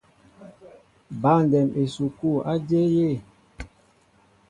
Băndɛm esukul a jȇl yé?